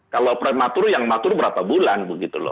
kalau prematur yang matur berapa bulan begitu loh